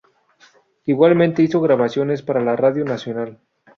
Igualmente, hizo grabaciones para la radio nacional.